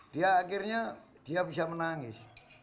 dia akhirnya dia bisa menangis